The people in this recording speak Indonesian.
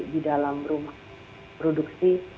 di dalam rumah produksi